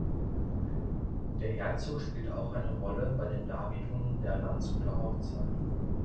Der Herzog spielt auch eine Rolle bei den Darbietungen der Landshuter Hochzeit.